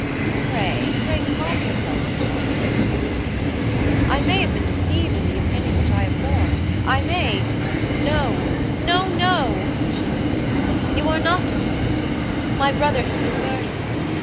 "Pray, pray calm yourself, Miss Talboys," he said; "I may have been deceived in the opinion which I have formed; I may" "No, no, no," she exclaimed, "you are not deceived. My brother has been murdered.